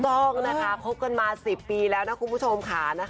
ต้องนะคะคบกันมา๑๐ปีแล้วนะคุณผู้ชมค่ะ